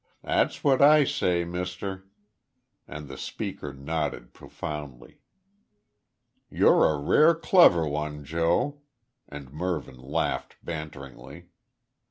That's what I say, muster." And the speaker nodded profoundly. "You're a rare clever 'un, Joe," and Mervyn laughed banteringly.